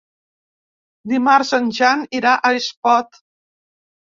Dimarts en Jan irà a Espot.